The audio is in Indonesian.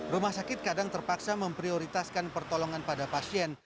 rumah sakit kadang terpaksa memprioritaskan pertolongan pada pasien